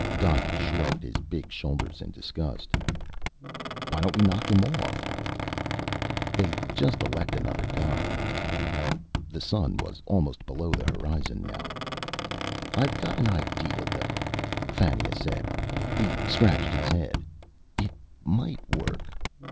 Donnaught shrugged his big shoulders in disgust. "Why don't we knock him off?" "They'd just elect another god." The sun was almost below the horizon now. "I've got an idea, though," Fannia said. He scratched his head. "It might work.